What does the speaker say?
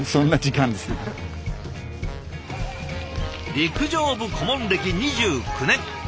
陸上部顧問歴２９年。